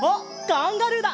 カンガルーだ！